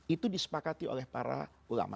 itu disepakati oleh para ulama